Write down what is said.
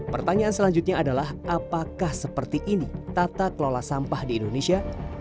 pertanyaan selanjutnya adalah apakah seperti ini tata kelola sampah di indonesia